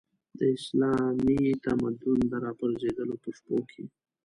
د اسلامي تمدن د راپرځېدلو په شپو کې.